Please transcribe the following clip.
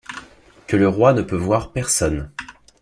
Que le Roi ne peut voir personne!